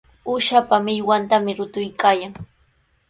Uushapa millwantami rutuykaayan.